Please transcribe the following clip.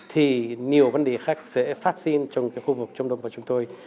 thì nhiều vấn đề khác sẽ phát sinh trong khu vực trung đông của chúng tôi